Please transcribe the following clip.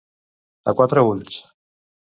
A quatre ulls.